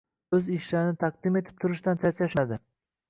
O‘z ishlarini taqdim etib turishdan charchashmadi.